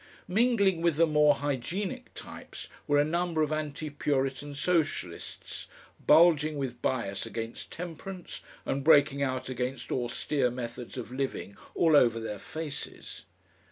Mingling with the more hygienic types were a number of Anti Puritan Socialists, bulging with bias against temperance, and breaking out against austere methods of living all over their faces.